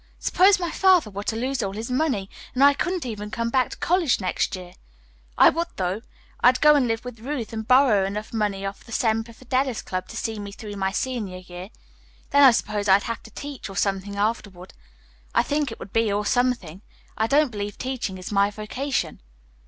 Suppose my father were to lose all his money and I couldn't even come back to college next year? I would, though. I'd go and live with Ruth and borrow enough money of the Semper Fidelis Club to see me through my senior year. Then, I suppose, I'd have to teach or something afterward. I think it would be 'or something.' I don't believe teaching is my vocation."